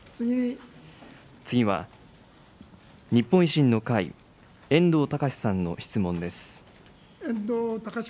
次は、日本維新の会、遠藤敬さんの質問です。